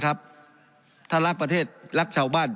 การปรับปรุงทางพื้นฐานสนามบิน